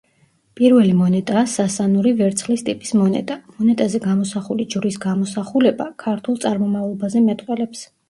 პირველი მონეტაა სასანური ვერცხლის ტიპის მონეტა, მონეტაზე გამოსახული ჯვრის გამოსახულება, ქართულ წარმომავლობაზე მეტყველებს.